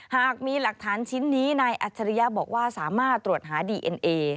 หากมีหลักฐานชิ้นนี้นายอัจฉริยะบอกว่าสามารถตรวจหาดีเอ็นเอ